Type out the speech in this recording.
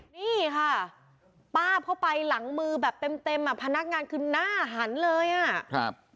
นี่ค่ะป้าเข้าไปหลังมือแบบเต็มเต็มอ่ะพนักงานคือหน้าหันเลยอ่ะครับ